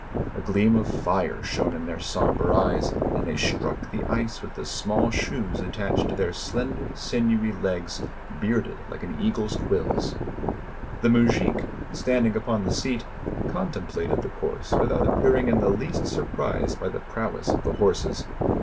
A gleam of fire shone in their somber eyes, and they struck the ice with the small shoes attached to their slender, sinewy legs, bearded like an eagle's quills. The mujik, standing upon the seat, contemplated the course, without appearing in the least surprised by the prowess of the horses.